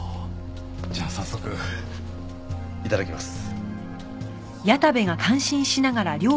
じゃあ早速いただきます。